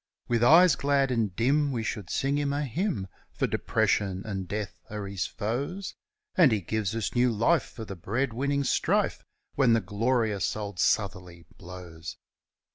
With eyes glad and dim we should sing him a hymn. For depression and death are his foes : Oh, it gives us new life for the bread winning strife When the glorious Old Southerly blows.